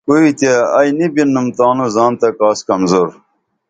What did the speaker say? کوئی تیہ ائی نی بِننُم تانوں زان تہ کاس کمزور